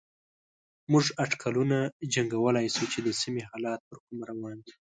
موږ اټکلونه جنګولای شو چې د سيمې حالات پر کومه روان دي.